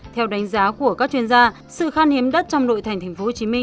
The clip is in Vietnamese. theo đánh giá của các chuyên gia sự khan hiếm đất trong nội thành tp hcm